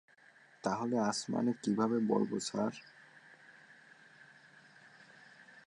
তাহলে আসমানে কীভাবে বলব, স্যার?